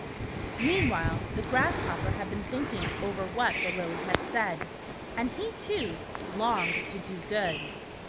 Meanwhile, the Grasshopper had been thinking over what the Lily had said, and he, too, longed to do good.